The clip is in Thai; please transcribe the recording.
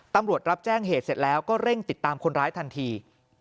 ตำรวจรับแจ้งเหตุเสร็จแล้วก็เร่งติดตามคนร้ายทันที